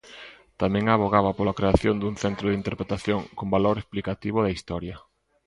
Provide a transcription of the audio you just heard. Tamén avogaba pola creación dun Centro de Interpretación con valor explicativo da historia.